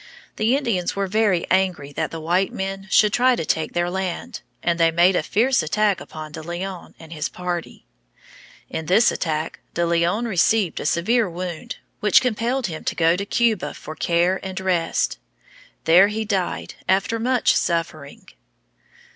The Indians were very angry that the white men should try to take their land, and they made a fierce attack upon De Leon and his party. In this attack De Leon received a severe wound, which compelled him to go to Cuba for care and rest. There he died after much suffering.